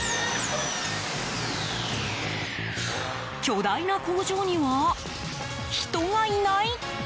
巨大な工場には人がいない？